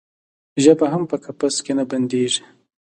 ژبه هم په قفس کې نه بندیږي.